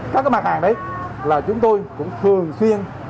các cái mặt hàng đấy là chúng tôi cũng thường xuyên